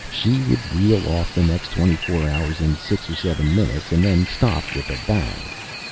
She would reel off the next twenty four hours in six or seven minutes, and then stop with a bang.